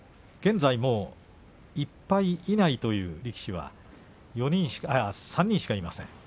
現在も１敗以内という力士は３人しかいません。